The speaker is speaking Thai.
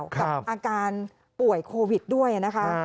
กับอาการป่วยโควิดด้วยนะคะ